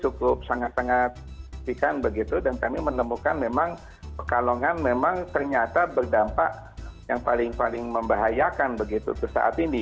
cukup sangat sangat sikan begitu dan kami menemukan memang pekalongan memang ternyata berdampak yang paling paling membahayakan begitu ke saat ini